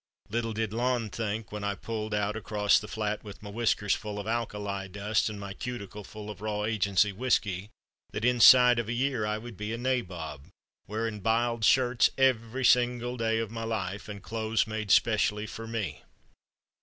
Little did Lon think when I pulled out across the flat with my whiskers full of alkali dust and my cuticle full of raw agency whisky, that inside of a year I would be a nabob, wearing biled shirts every single day of my life, and clothes made specially for me.